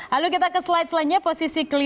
lalu kita ke slide selanjutnya posisi ke lima